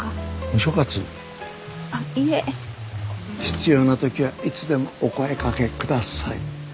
必要な時はいつでもお声がけください。